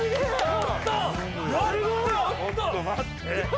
「ちょっと待って」